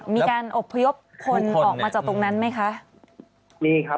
มีการอบพยพคนออกมาจากตรงนั้นไหมคะมีครับ